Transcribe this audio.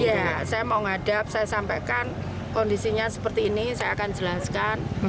iya saya mau ngadap saya sampaikan kondisinya seperti ini saya akan jelaskan